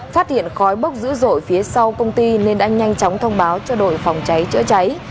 phát hiện khói bốc dữ dội phía sau công ty nên đã nhanh chóng thông báo cho đội phòng cháy chữa cháy